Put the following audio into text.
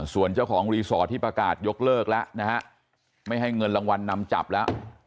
ส่วนเจ้าของรีสอร์ทที่ประกาศยกเลิกแล้วนะฮะไม่ให้เงินรางวัลนำจับแล้ว